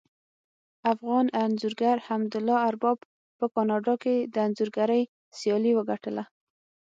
افغان انځورګر حمدالله ارباب په کاناډا کې د انځورګرۍ سیالي وګټله